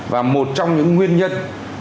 và một trong những nguyên nhân